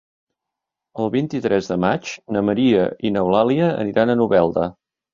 El vint-i-tres de maig na Maria i n'Eulàlia aniran a Novelda.